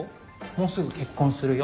もうすぐ結婚するよ。